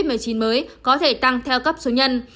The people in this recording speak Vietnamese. số ca mắc covid một mươi chín mới có thể tăng theo cấp số nhân